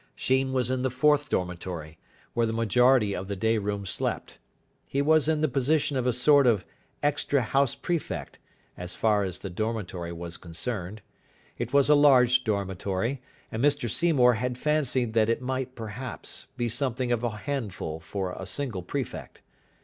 Sheen was in the fourth dormitory, where the majority of the day room slept. He was in the position of a sort of extra house prefect, as far as the dormitory was concerned. It was a large dormitory, and Mr Seymour had fancied that it might, perhaps, be something of a handful for a single prefect.